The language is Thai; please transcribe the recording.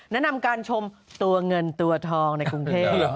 แนะนำการชมตัวเงินตัวทองในกรุงเทพ